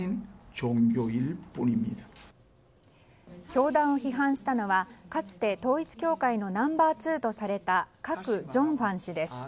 教団を批判したのはかつて統一教会のナンバー２とされたカク・ジョンファン氏です。